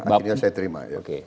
akhirnya saya terima